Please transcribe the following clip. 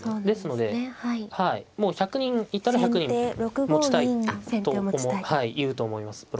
ですのでもう１００人いたら１００人持ちたいと言うと思います